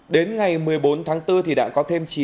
đến ngày một mươi bốn tháng bốn thì đã có thêm chín công an cấp giá